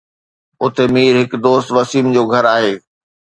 اتي مير هڪ دوست وسيم جو گهر آهي